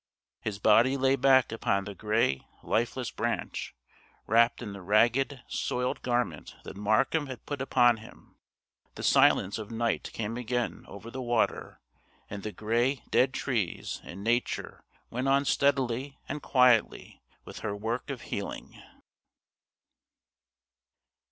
His body lay back upon the grey lifeless branch, wrapped in the ragged, soiled garment that Markham had put upon him; the silence of night came again over the water and the grey dead trees, and nature went on steadily and quietly with her work of healing.